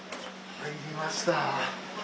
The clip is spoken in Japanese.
入りました。